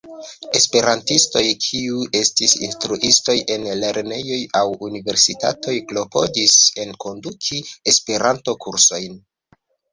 Esperantistoj kiu estis instruistoj en lernejoj aŭ universitatoj klopodis enkonduki Esperanto-kursojn.